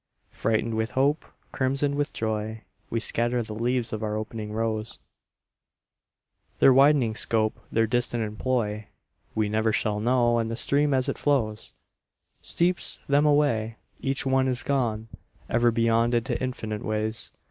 Freighted with hope, Crimsoned with joy, We scatter the leaves of our opening rose; Their widening scope, Their distant employ, We never shall know. And the stream as it flows Sweeps them away, Each one is gone Ever beyond into infinite ways.